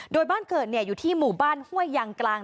โดยบ้านเกิดอยู่ที่หมู่บ้านห้วยยางกลาง